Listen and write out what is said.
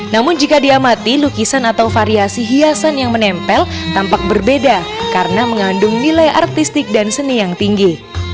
namun jika diamati lukisan atau variasi hiasan yang menempel tampak berbeda karena mengandung nilai artistik dan seni yang tinggi